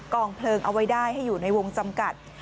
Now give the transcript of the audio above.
องเพลิงเอาไว้ได้ให้อยู่ในวงจำกัด